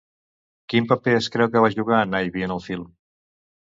Quin paper es creu que va jugar Nyby en el film?